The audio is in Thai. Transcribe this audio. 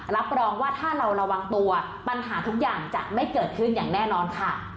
รับรองว่าถ้าเราระวังตัวปัญหาทุกอย่างจะไม่เกิดขึ้นอย่างแน่นอนค่ะ